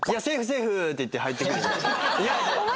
セーフ！」って言って入ってくるじゃん。